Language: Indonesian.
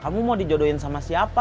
kamu mau dijodohin sama siapa